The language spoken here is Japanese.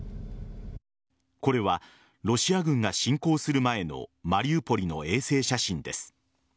これはロシア軍が侵攻する前のマリウポリの衛星写真です。